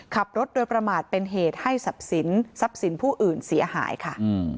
ขับรถโดยประมาทเป็นเหตุให้สับสินผู้อื่นเสียหายค่ะ